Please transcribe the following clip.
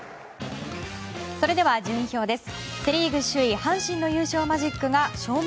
それでは順位表です。